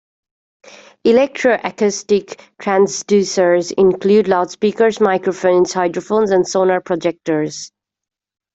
Electroacoustic transducers include loudspeakers, microphones, hydrophones and sonar projectors.